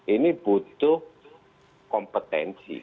ini butuh kompetensi